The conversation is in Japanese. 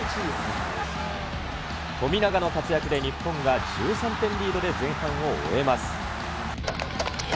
富永の活躍で日本が１３点リードで前半を終えます。